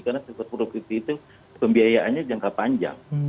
karena sektor properti itu pembiayaannya jangka panjang